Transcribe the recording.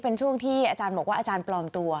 เป็นช่วงที่อาจารย์บอกว่าอาจารย์ปลอมตัว